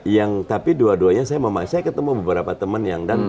yang tapi dua duanya saya ketemu beberapa teman yang dan